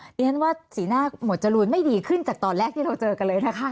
ดิฉันว่าสีหน้าหมวดจรูนไม่ดีขึ้นจากตอนแรกที่เราเจอกันเลยนะคะ